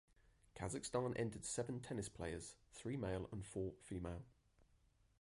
Kazakhstan entered seven tennis players (three male and four female).